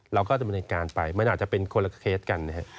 เราก็จะบรรยาการไปมันอาจจะเป็นคนละเคสกันนะฮะ